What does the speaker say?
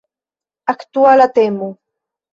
Aktuala temo!